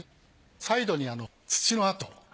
サイドに土の跡